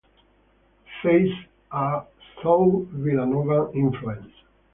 Phase A saw Villanovan influence.